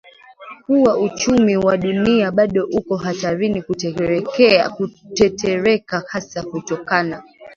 kuwa uchumi wa dunia bado uko hatarini kutetereka hasa kutokana